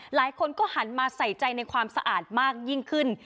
หลายคนก็หันมาใส่ใจในความสะอาดมากยิ่งขึ้น